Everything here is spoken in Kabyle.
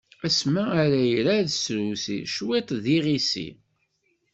Asmi ara irad s trusi, cwiṭ d iɣisi.